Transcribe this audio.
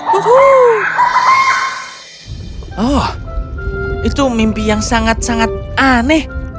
kupu kupu yang sangat sangat aneh